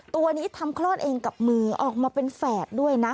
ตัวนี้ทำคลอดเองกับมือออกมาเป็นแฝดด้วยนะ